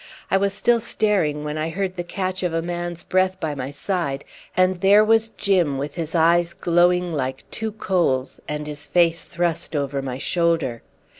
I was still staring when I heard the catch of a man's breath by my side, and there was Jim with his eyes glowing like two coals, and his face thrust over my shoulder.